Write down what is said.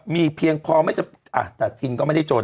มีเพียงพอไม่จะอ่ะแต่ทินก็ไม่ได้จนอ่ะ